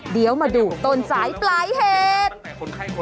เดี๋ยวมาดูต้นสายปลายเหตุ